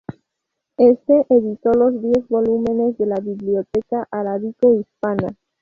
Este editó los diez volúmenes de la "Bibliotheca Arabico-Hispana".